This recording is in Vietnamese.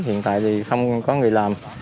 hiện tại thì không có người làm